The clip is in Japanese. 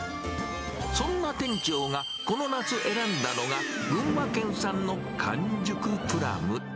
そんな店長がこの夏選んだのが、群馬県産の完熟プラム。